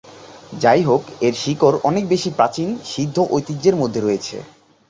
যাইহোক, এর শিকড় অনেক বেশি প্রাচীন সিদ্ধ ঐতিহ্যের মধ্যে রয়েছে।